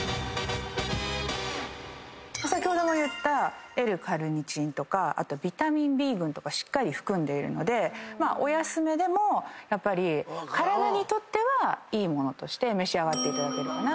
先ほども言ったＬ−カルニチンとかあとビタミンＢ群とかしっかり含んでいるのでお安めでも体にとってはいい物として召し上がっていただけるかな。